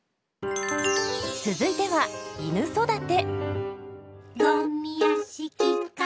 続いては「いぬ育て」。